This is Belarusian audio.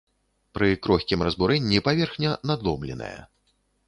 Пры крохкім разбурэнні паверхня надломленая.